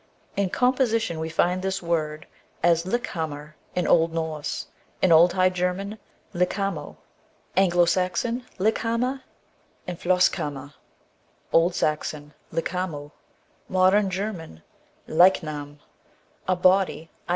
In composition we find this v^ord, as Uk hamr, in old Norse ; in old High German lik'hamo, Anglo Saxon Uk hama, and floesc hama, Old Saxon, lik'hamo, modem German Leich nam, a body, i.